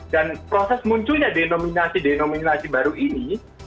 dan proses munculnya denominasi denominasi baru ini